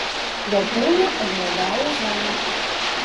Я пільна аглядаю залу.